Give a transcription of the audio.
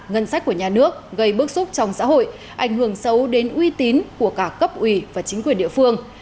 ngân sách của nhà nước gây bức xúc trong xã hội ảnh hưởng xấu đến uy tín của cả cấp ủy và chính quyền địa phương